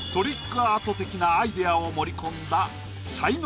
アート的なアイディアを盛り込んだ才能